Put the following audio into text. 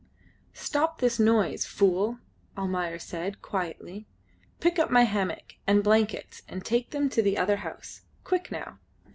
"Stop this noise, fool!" said Almayer, quietly. "Pick up my hammock and blankets and take them to the other house. Quick, now!"